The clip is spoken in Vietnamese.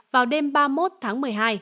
vào đêm ba mươi một tháng một mươi hai